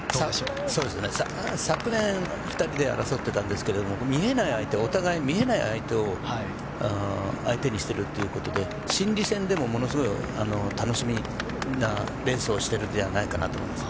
昨年、２人で争っていたんですがお互い、見えない相手を相手にしているということで心理戦でもものすごい楽しみなレースをしているのではないかなと思います。